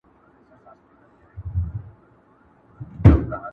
يو وايي جنايت بل وايي شرم،